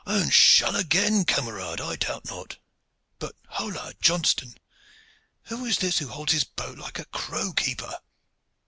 "And shall again, camarade, I doubt not. But hola! Johnston, who is this who holds his bow like a crow keeper?"